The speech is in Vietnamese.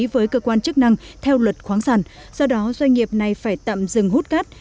với cơ quan chức năng theo luật khoáng sản do đó doanh nghiệp này phải tạm dừng hút cát